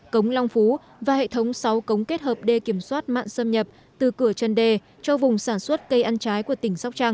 cống long phú và hệ thống sáu cống kết hợp đê kiểm soát mặn xâm nhập từ cửa chân đê cho vùng sản xuất cây ăn trái của tỉnh sóc trăng